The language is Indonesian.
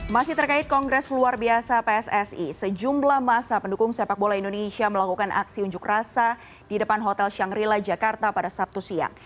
masih terkait kongres luar biasa pssi sejumlah masa pendukung sepak bola indonesia melakukan aksi unjuk rasa di depan hotel shangrila jakarta pada sabtu siang